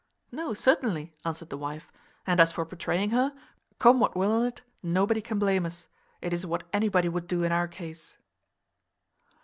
"No, certainly," answered the wife; "and as for betraying her, come what will on't, nobody can blame us. It is what anybody would do in our case."